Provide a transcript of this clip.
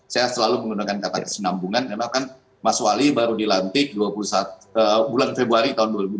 saya selalu menggunakan kata kesinambungan memang kan mas wali baru dilantik bulan februari tahun dua ribu dua puluh